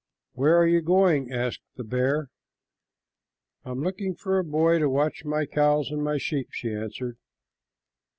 "Where are you going?" asked the bear. "I am looking for a boy to watch my cows and my sheep," she answered.